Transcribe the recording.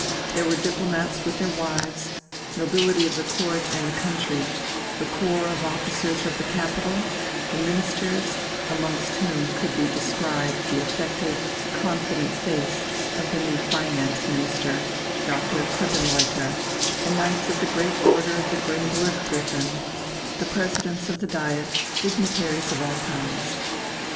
There were diplomats with their wives, nobility of the Court and the country, the corps of officers of the capital, the Ministers, amongst whom could be descried the affected, confident face of the new Finance Minister, Dr. Krippenreuther, the Knights of the Great Order of the Grimmburg Griffin, the Presidents of the Diet, dignitaries of all kinds.